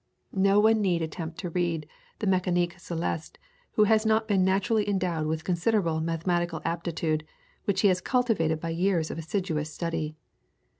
No one need attempt to read the "Mecanique Celeste" who has not been naturally endowed with considerable mathematical aptitude which he has cultivated by years of assiduous study.